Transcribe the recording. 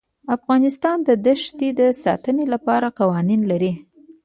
افغانستان د دښتې د ساتنې لپاره قوانین لري.